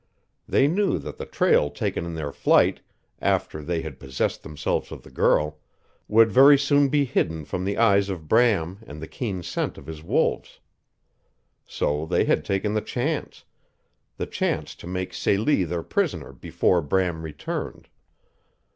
They knew that the trail taken in their flight, after they had possessed themselves of the girl, would very soon be hidden from the eyes of Bram and the keen scent of his wolves. So they had taken the chance the chance to make Celie their prisoner before Bram returned.